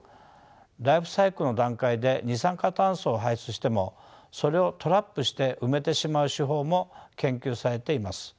ライフサイクルの段階で二酸化炭素を排出してもそれをトラップして埋めてしまう手法も研究されています。